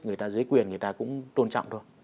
người ta giới quyền người ta cũng tôn trọng thôi